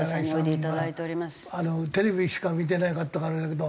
テレビでしか見てなかったからあれだけど